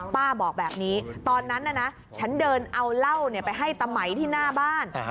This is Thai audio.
บอกแบบนี้ตอนนั้นนะฉันเดินเอาเหล้าไปให้ตะไหมที่หน้าบ้าน